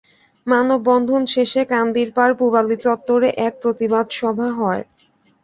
মানববন্ধন শেষে কান্দিরপাড় পূবালী চত্বরে এক প্রতিবাদ সভা হয়।